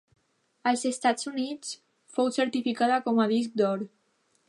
Als Estats Units fou certificada com a disc d'or.